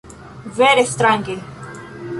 Vere strange.